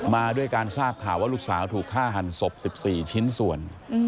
มาด้วยการทราบข่าวว่าลูกสาวถูกฆ่าหันศพ๑๔ชิ้นส่วน